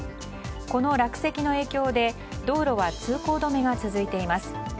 この落石の影響で道路は通行止めが続いています。